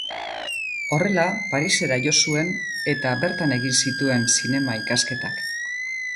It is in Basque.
Horrela, Parisera jo zuen, eta bertan egin zituen zinema ikasketak.